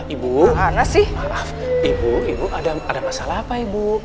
ibu maaf ibu ada masalah apa ibu